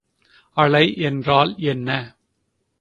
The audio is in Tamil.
அலைஎண் என்றால் என்ன?